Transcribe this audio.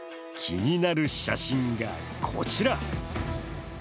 気になる写真がこちら。